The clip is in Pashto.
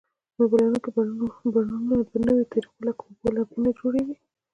مېوه لرونکي بڼونه په نویو طریقو لکه اوبه لګونه جوړیږي.